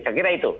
saya kira itu